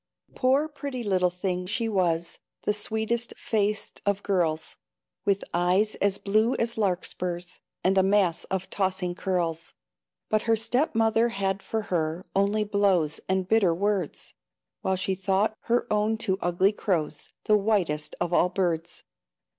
Poor, pretty little thing she was, The sweetest faced of girls, With eyes as blue as larkspurs, And a mass of tossing curls; But her step mother had for her Only blows and bitter words, While she thought her own two ugly crows, The whitest of all birds.